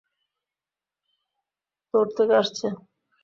তোর থেকে আসছে।